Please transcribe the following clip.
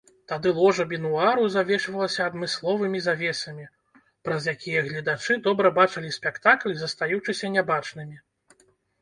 Тады ложа бенуару завешвалася адмысловымі завесамі, праз якія гледачы добра бачылі спектакль, застаючыся нябачнымі.